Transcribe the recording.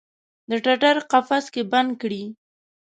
د ټټر قفس کې بند کړي